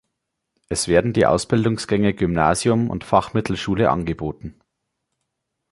Es werden die Ausbildungsgänge Gymnasium und Fachmittelschule angeboten.